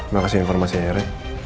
makasih informasinya ren